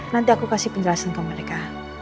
nanti aku kasih penjelasan ke mereka